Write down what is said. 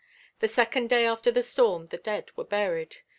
The second day after the storm the dead were buried.